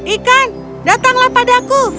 ikan datanglah padaku